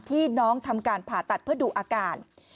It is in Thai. ที่น้องทำการผ่าตัดเพื่อดูอาการ